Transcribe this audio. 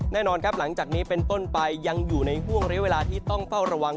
แน่นอนครับหลังจากนี้เป็นต้นไปยังอยู่ในห่วงเรียกเวลาที่ต้องเฝ้าระวัง